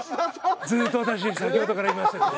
ずっと私先ほどからいましたけども。